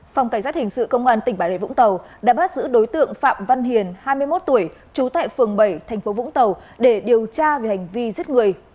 phòng cảnh sát hình sự công an tỉnh bà rệ vũng tàu đã bắt giữ đối tượng phạm văn hiền hai mươi một tuổi trú tại phường bảy thành phố vũng tàu để điều tra về hành vi giết người